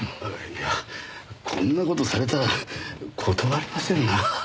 いやこんな事されたら断れませんなあ。